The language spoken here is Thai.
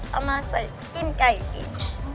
เอามาใส่จิ้มไชท์ไก่กิน